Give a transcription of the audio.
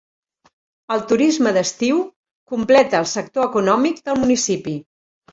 El turisme d'estiu completa el sector econòmic del municipi.